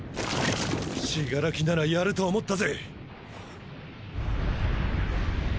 死柄木ならやると思ったぜ。